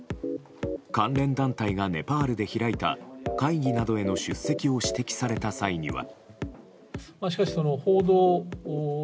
関連団体がネパールで開いた会議などへの出席を指摘された際には。